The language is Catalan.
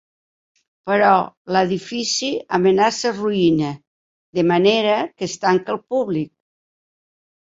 Però l'edifici amenaça ruïna, de manera que es tanca al públic.